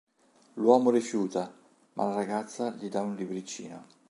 L'uomo rifiuta, ma la ragazza gli dà un libriccino.